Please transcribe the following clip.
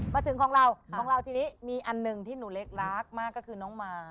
มาถึงของเราของเราทีนี้มีอันหนึ่งที่หนูเล็กรักมากก็คือน้องมา